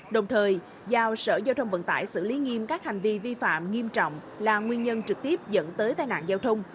đồng thời giao sở giao thông vận tải xử lý nghiêm các hành vi vi phạm nghiêm trọng là nguyên nhân trực tiếp dẫn tới tai nạn giao thông